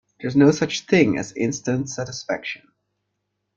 There is no such thing as instant satisfaction.